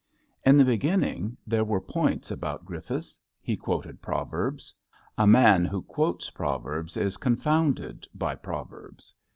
In the beginning there were points about Grif fiths. He quoted proverbs. A man who quotes proverbs is confounded by proverbs.